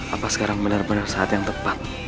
apa sekarang bener bener saat yang tepat